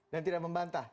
dan tidak membantah